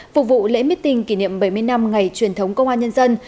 phục vụ lễ mít tình kỷ niệm bảy mươi năm ngày truyền thống công an nhân dân